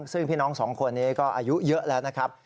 ซึ่งพี่น้องสองคนนี้ก็อายุเยอะแล้วนะครับ